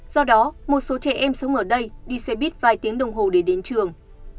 do đó một số trẻ em sống ở đây đi xe buýt vài tiếng đồng hồ để đến trường